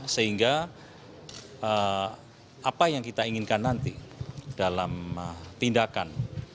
sehingga apa yang kita inginkan nanti dalam tindakan